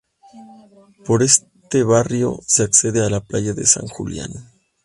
Por este barrio se accede a la playa de San Julián.